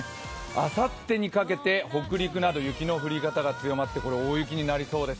あさってにかけて北陸など雪の降り方が強まってこれ大雪になりそうです。